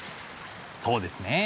そうですね。